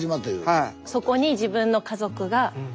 はい。